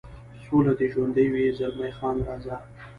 سوله دې ژوندی وي، زلمی خان: راځه.